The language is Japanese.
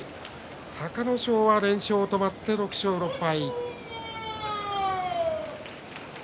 隆の勝が連勝止まって６勝６敗。